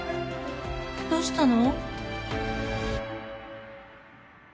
・どうしたの？